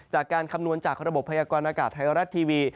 คำนวณจากระบบพยากรณากาศไทยรัฐทีวี